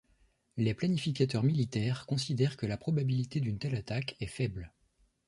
Les planificateurs militaires considèrent que la probabilité d'une telle attaque est faible.